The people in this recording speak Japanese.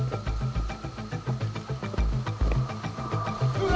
うわ！